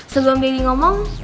sebelum lydia ngomong